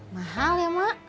mahal ya mak